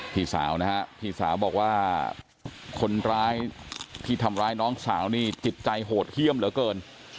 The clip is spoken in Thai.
พี่สาวนะฮะพี่สาวบอกว่าคนร้ายที่ทำร้ายน้องสาวนี่จิตใจโหดเยี่ยมเหลือเกิน